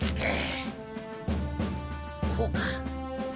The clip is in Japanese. こうか？